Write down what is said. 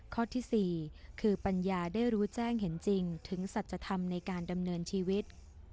ข้อที่๔คือปัญญาได้รู้แจ้งเห็นจริงถึงสัจธรรมในการดำเนินชีวิต